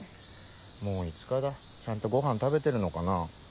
もう５日だちゃんとごはん食べてるのかな。